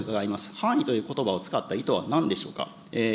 犯意ということばを使った意図はなんでしょうか。